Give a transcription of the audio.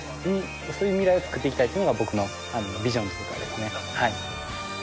そういう未来をつくっていきたいというのが僕のビジョンというかですねはい。